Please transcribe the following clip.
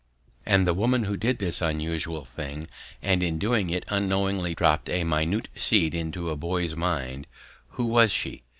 And the woman who did this unusual thing and in doing it unknowingly dropped a minute seed into a boy's mind, who was she?